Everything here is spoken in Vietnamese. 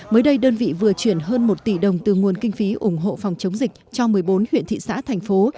mới đây đơn vị vừa chuyển hơn một tỷ đồng từ nguồn kinh phí ủng hộ phòng chống dịch cho một mươi bốn huyện thị xã thành phố